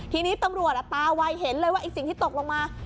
ทีนี้ตำรวจตาวัยเห็นเลยว่าไอ้สิ่งที่ตกลงมา